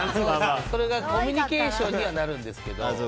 それがコミュニケーションにはなるんですけど。